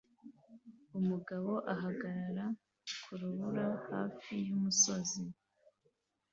Umugabo ahagarara ku rubura hafi y'imisozi